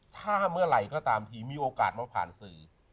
ถ้าเมื่อไหร่ก็ตามทีมีโอกาสมาผ่านสื่อ